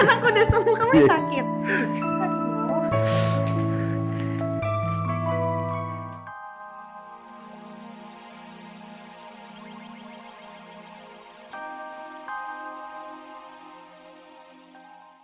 anakku udah sembuh kamu sakit